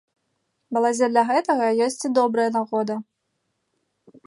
Балазе для гэтага ёсць добрая нагода.